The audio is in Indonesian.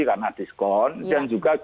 senang biasa menjaga